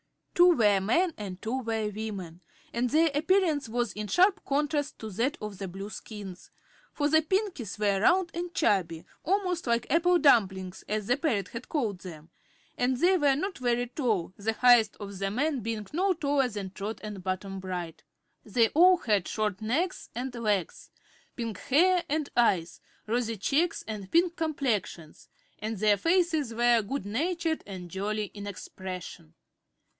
Two were men and two were women, and their appearance was in sharp contrast to that of the Blueskins. For the Pinkies were round and chubby almost like "apple dumplings," as the parrot had called them and they were not very tall, the highest of the men being no taller than Trot or Button Bright. They all had short necks and legs, pink hair and eyes, rosy cheeks and pink complexions, and their faces were good natured and jolly in expression.